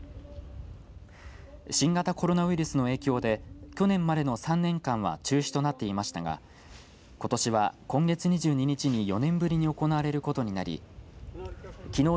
新型コロナウイルスの影響で去年までの３年間は中止となっていましたがことしは今月２２日に４年ぶりに行われることになりきのう